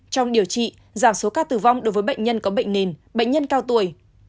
trong điều trị giảm số ca tử vong đối với bệnh nhân có bệnh nền bệnh nhân cao tuổi